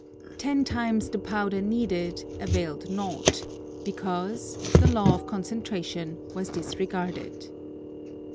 Ten times the powder needed availed naught, because, the law of concentration was disregarded.